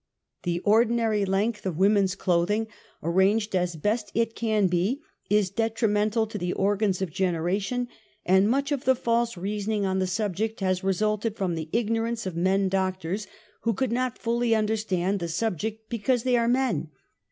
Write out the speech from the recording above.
'^'The ordinar}^ length of women's clothing, arranged as best it can be, is detrimental to the organs of gen ■eration and much of the false reasoning on the sub ject has resulted from the ignorance of men doctors, who could not fully understand the subject because they are men.